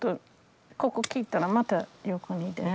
ここ切ったらまた横に出る。